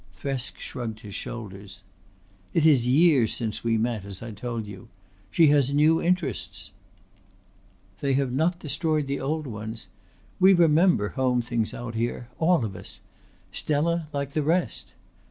Thresk shrugged his shoulders. "It is years since we met, as I told you. She has new interests." "They have not destroyed the old ones. We remember home things out here, all of us. Stella like the rest.